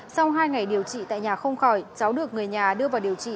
sau hai ngày điều trị tại nhà không khỏi cháu được người nhà đưa vào điều trị